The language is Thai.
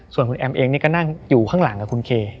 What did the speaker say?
ส่วนคุณแอมเองนี่ก็นั่งอยู่ข้างหลังกับคุณเค